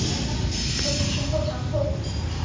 和平之后堂后。